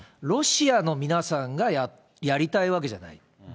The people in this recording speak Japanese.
ロシアの皆さんがやりたいわけじゃない。